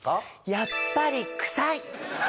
やっぱりクサい！